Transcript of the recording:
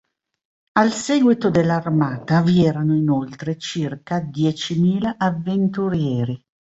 Al seguito dell'armata vi erano inoltre circa diecimila avventurieri.